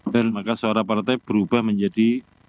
dan maka suara partai berubah menjadi